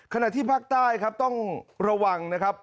ขณะที่ภาคใต้ครับต้องระวังนะครับ